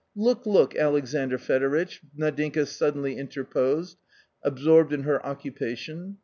"Look, look, Alexandr Fedovitch," Nadinka suddenly interposed, absorbed in her occupation.